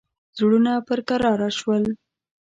زړونه پر کراره شول.